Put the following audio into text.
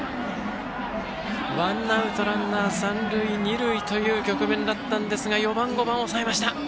ワンアウト、ランナー、三塁二塁という局面でしたが４番、５番を抑えました。